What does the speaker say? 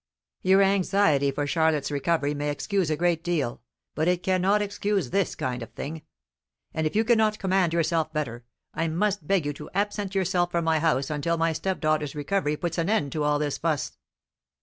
Your anxiety for Charlotte's recovery may excuse a great deal, but it cannot excuse this kind of thing; and if you cannot command yourself better, I must beg you to absent yourself from my house until my stepdaughter's recovery puts an end to all this fuss."